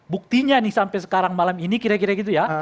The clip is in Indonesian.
buktinya nih sampai sekarang malam ini kira kira gitu ya